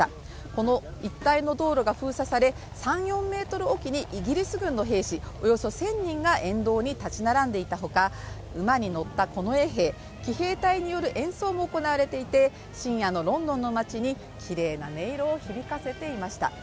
この一帯の道路が封鎖され、３４ｍおきにイギリス軍の兵士およそ１０００人が沿道に立ち並んでいたほか馬に乗った近衛兵騎兵隊による演奏も行われていて深夜のロンドンの街にきれいな音色を響かせていました。